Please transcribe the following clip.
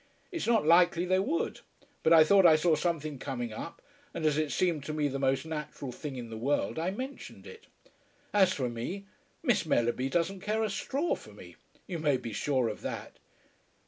It's not likely they would. But I thought I saw something coming up, and as it seemed to be the most natural thing in the world, I mentioned it. As for me, Miss Mellerby doesn't care a straw for me. You may be sure of that."